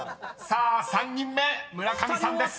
［さあ３人目村上さんです］